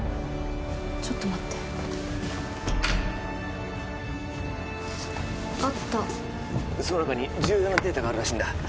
ちょっと待ってあったその中に重要なデータがあるらしいんだ